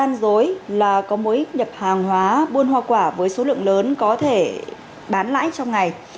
công an dối là có mối ích nhập hàng hóa buôn hoa quả với số lượng lớn có thể bán lãi trong ngày